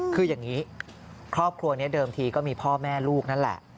คืออย่างนี้ครอบครัวนี้เดิมทีก็มีพ่อแม่ลูกนั่นแหละ